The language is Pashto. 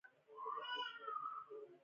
اوس همدا تفرقه د یووالي سبب ښودل کېږي.